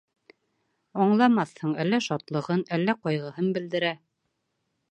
Аңламаҫһың, әллә шатлығын, әллә ҡайғыһын белдерә.